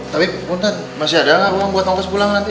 tapi mas yadar ada nggak ruang buat ngokes pulang nanti